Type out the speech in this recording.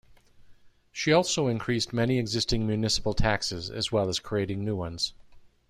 She also increased many existing municipal taxes as well as creating new ones.